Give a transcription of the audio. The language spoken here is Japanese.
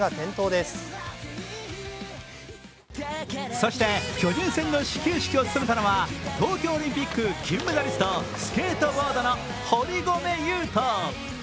そして巨人戦の始球式を務めたのは東京オリンピック金メダリスト、スケートボードの堀米雄斗。